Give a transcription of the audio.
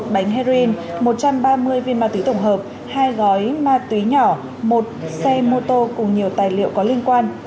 bánh heroin một trăm ba mươi viên ma túy tổng hợp hai gói ma túy nhỏ một xe mô tô cùng nhiều tài liệu có liên quan